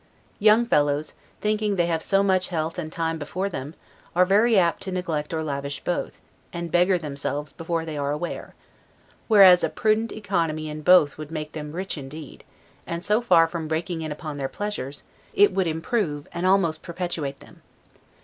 Young fellows, thinking they have so much health and time before them, are very apt to neglect or lavish both, and beggar themselves before they are aware: whereas a prudent economy in both would make them rich indeed; and so far from breaking in upon their pleasures, would improve, and almost perpetuate them.